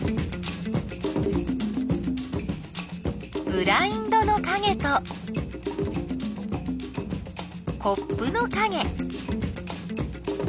ブラインドのかげとコップのかげ。